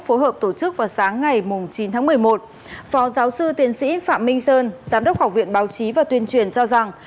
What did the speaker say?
phối hợp tổ chức vào sáng ngày chín tháng một mươi một phó giáo sư tiến sĩ phạm minh sơn giám đốc học viện báo chí và tuyên truyền cho rằng